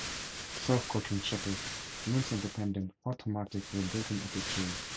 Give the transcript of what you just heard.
Self-cocking shutters, lens-independent, automatic, with built-in apertures.